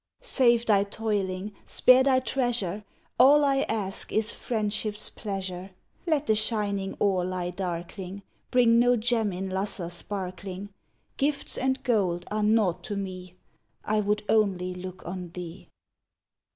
Save thy toiling, spare thy treasure; All I ask is friendship's pleasure; Let the shining ore lie darkling, Bring no gem in lustre sparkling; Gifts and gold are naught to me, I would only look on thee!